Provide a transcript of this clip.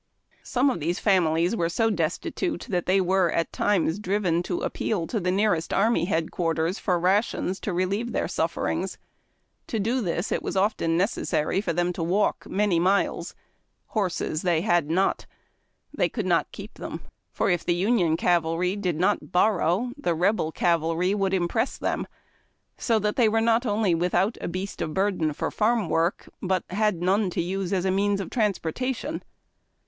Some of these families were so destitute that they were at times driven to appeal to the nearest army headquarters for rations to relieve their sufferings. To do this it was often necessary for them to walk many miles. Horses they had not. They could not keep them, for if the Union cavalry did not "borrow," the Rebel cavalry would impress them; so that they were not only without a beast of burden for farm work, but had none to use as a means of transportation.